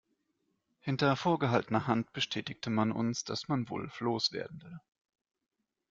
Hinter vorgehaltener Hand bestätigte man uns, dass man Wulff loswerden will.